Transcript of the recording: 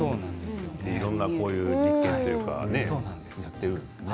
いろんなこういう実験というかねやっているんですね。